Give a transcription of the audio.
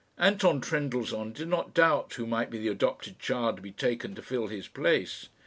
Anton Trendellsohn did not doubt who might be the adopted child to be taken to fill his place.